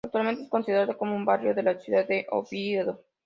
Actualmente es considerado como un barrio de la ciudad de Oviedo.